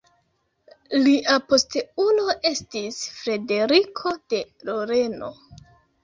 Lia posteulo estis Frederiko de Loreno.